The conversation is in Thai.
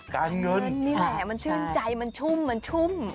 การเงินนี่แหละมันชื่นใจมันชุ่มมันชุ่ม